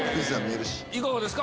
いかがですか？